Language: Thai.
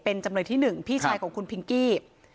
เป็นจำเลยที่๑พี่ชายของคุณพิงกี้